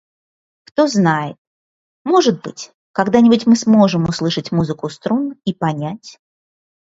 Кто знает, может быть, когда-нибудь мы сможем услышать музыку струн и понять